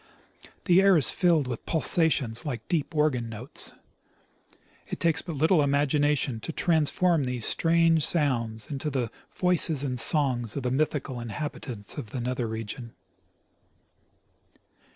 The air is filled with pulsations like deep organ notes. It takes but little imagination to transform these strange sounds into the voices and songs of the my thical inhabitants of the nether regions.